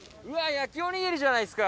焼きおにぎりじゃないですか！